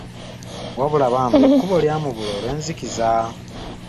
Wabula bambi ekkubo lya mubula olw'enzikiza.